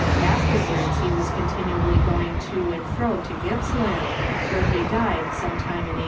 Afterwards he was continually going to and fro to Gippsland, where he died some time in 1848.